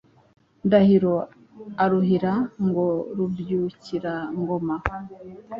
Ndahiro aruhira. Ngo Rubyukira-ngoma